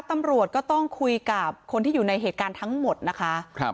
ตำรวจก็ต้องคุยกับคนที่อยู่ในเหตุการณ์ทั้งหมดนะคะ